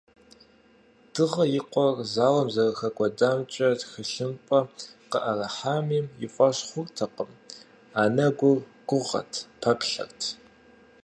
Дыгъэ и къуэр зауэм зэрыхэкӏуэдамкӏэ тхылъымпӏэ къыӏэрыхьами, и фӏэщ хъуртэкъым, анэгур гугъэт, пэплъэрт.